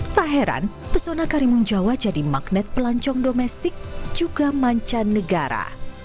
tak heran pesona karimun jawa jadi magnet pelancong domestik juga mancanegara